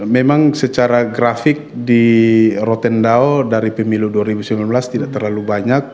memang secara grafik di rotendau dari pemilu dua ribu sembilan belas tidak terlalu banyak